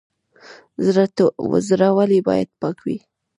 زړه ولې باید پاک وي؟